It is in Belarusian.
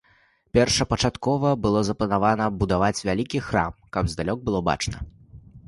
Першапачаткова было запланавана будаваць вялікі храм, каб здалёк было бачна.